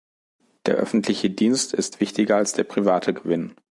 Der öffentliche Dienst ist wichtiger als der private Gewinn.